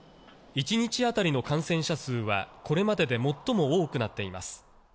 １日当たりの感染者数はこれまでで最も多くなっています。